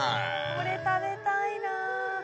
これ食べたいな。